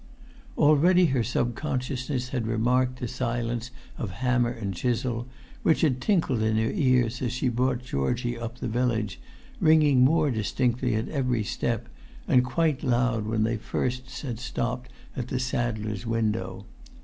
Already her sub consciousness had remarked the silence of hammer and chisel, which had tinkled in her ears as she brought Georgie up the village, ringing more distinctly at every step, and quite loud when first they had stopped at the saddler's window.